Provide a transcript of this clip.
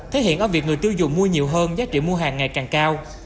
thể hiện ở việc người tiêu dùng mua nhiều hơn giá trị mua hàng ngày càng cao